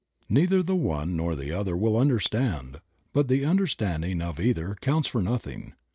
Neither the one nor the other will understand, but the understanding of either counts for nothing.